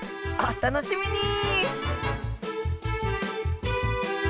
お楽しみに！